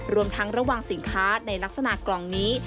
รวมทั้งระวังสินค้าในลักษณะกล่องนี้